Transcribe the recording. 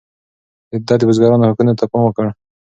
ده د بزګرانو حقونو ته پام وکړ.